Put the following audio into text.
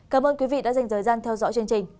cảm ơn quý vị đã dành thời gian theo dõi chương trình